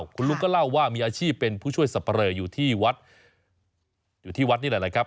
คุณลุงก็เล่าว่ามีอาชีพเป็นผู้ช่วยสับปะเลออยู่ที่วัดอยู่ที่วัดนี่แหละนะครับ